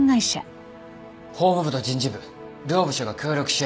法務部と人事部両部署が協力し合い